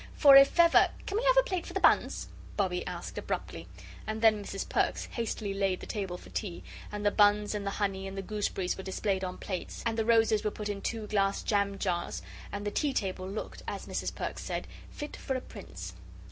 For if ever " "Can we have a plate for the buns?" Bobbie asked abruptly. And then Mrs. Perks hastily laid the table for tea, and the buns and the honey and the gooseberries were displayed on plates, and the roses were put in two glass jam jars, and the tea table looked, as Mrs. Perks said, "fit for a Prince."